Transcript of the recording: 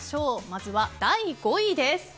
まずは第５位です。